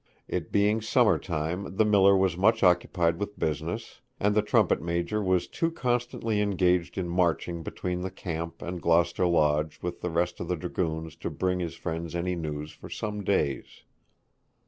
It being summer time the miller was much occupied with business, and the trumpet major was too constantly engaged in marching between the camp and Gloucester Lodge with the rest of the dragoons to bring his friends any news for some days.